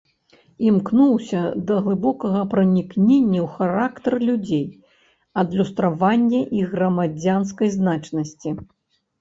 Імкнуўся да глыбокага пранікнення ў характар людзей, адлюстравання іх грамадзянскай значнасці.